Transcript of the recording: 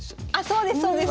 そうですそうです！